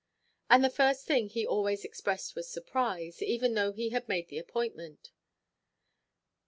And the first thing he always expressed was surprise, even though he had made the appointment.